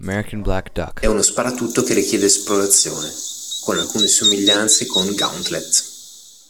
È uno sparatutto che richiede esplorazione, con alcune somiglianze con "Gauntlet".